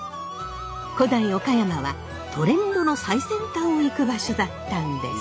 古代岡山はトレンドの最先端を行く場所だったんです。